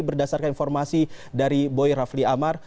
berdasarkan informasi dari boy rafli amar